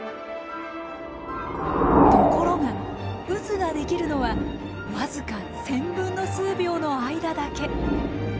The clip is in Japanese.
ところが渦が出来るのは僅か１０００分の数秒の間だけ。